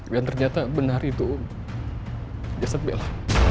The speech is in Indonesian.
dan ternyata benar itu jasad bella